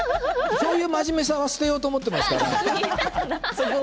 そういうまじめさは捨てようと思っています。